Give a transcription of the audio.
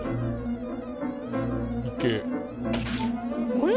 あれ？